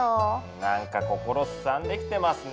何か心すさんできてますね。